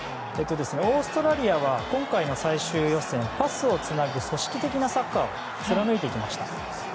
オーストラリアは今回の最終予選パスをつなぐ組織的なサッカーを貫いてきました。